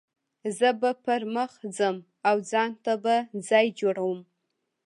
زه به پر مخ ځم او ځان ته به ځای جوړوم.